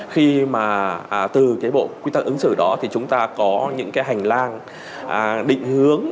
khi mà từ bộ quy tắc ứng xử đó thì chúng ta có những hành lang định hướng